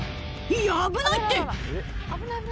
いやー、危ないって。